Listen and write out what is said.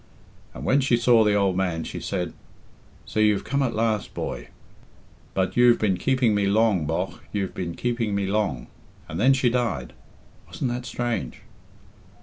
And when she saw the old man she said, 'So you've come at last, boy; but you've been keeping me long, bogh, you've been keeping me long.' And then she died. Wasn't that strange?"